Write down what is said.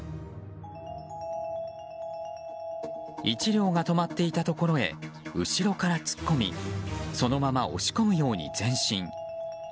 １両が止まっていたところへ後ろから突っ込みそのまま押し込むように前進。